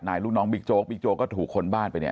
นายลูกน้องบิกโจกบิกโจกก็ถูกคนบ้านไป